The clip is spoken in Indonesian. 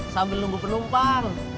sambil nunggu penumpang